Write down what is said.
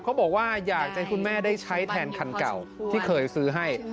เขาบอกว่าอยากจะให้คุณแม่ได้ใช้แทนคันเก่าที่เคยซื้อให้